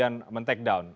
untuk kemudian men take down